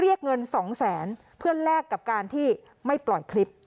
เรียกเงินสองแสนเพื่อแลกกับการที่ไม่ปล่อยคลิป